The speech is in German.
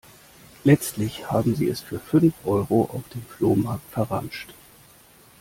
Letztlich haben sie es für fünf Euro auf dem Flohmarkt verramscht.